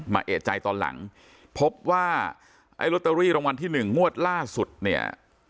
เอกใจตอนหลังพบว่าไอ้ลอตเตอรี่รางวัลที่หนึ่งงวดล่าสุดเนี่ย